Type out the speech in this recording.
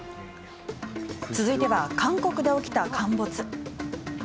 続いては韓国で起きた陥没。